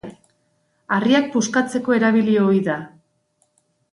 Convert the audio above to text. Harriak puskatzeko erabili ohi da.